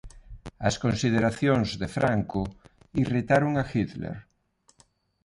As consideracións de Franco irritaron a Hitler.